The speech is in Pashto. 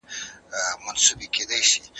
هغه وویل چي اوږده ډوډۍ ماڼۍ ته وړل سوې ده.